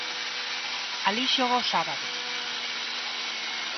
Alí xoga o sábado.